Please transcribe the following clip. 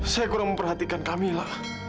saya kurang memperhatikan kamila